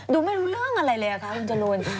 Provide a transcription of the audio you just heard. ดูไม่รู้เรื่องอะไรเลยคะคุณจรูน